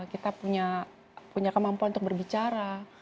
kita punya kemampuan untuk berbicara